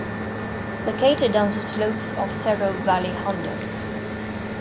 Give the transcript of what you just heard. Located on the slopes of Cerro Valle Hondo.